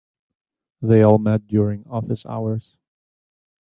They all met during office hours.